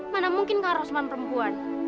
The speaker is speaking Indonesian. mana mungkin kak rosman perempuan